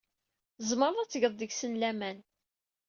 Tzemreḍ ad tgeḍ deg-sen laman.